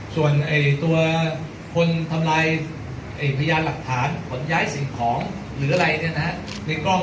ส่วนตัวคนทำลายพยานหลักฐานขนย้ายสิ่งของหรืออะไรในกล้อง